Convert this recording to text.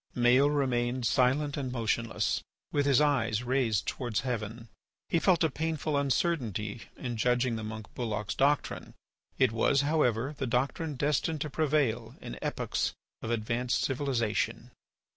Maël remained silent and motionless, with his eyes raised towards heaven; he felt a painful uncertainty in judging the monk Bulloch's doctrine. It was, however, the doctrine destined to prevail in epochs of advanced civilization.